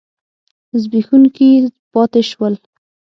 زبېښونکي پاتې شول.